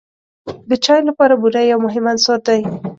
د چای لپاره بوره یو مهم عنصر دی.